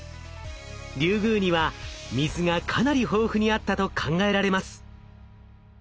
リュウグウには水がかなり豊富にあったと考えられます。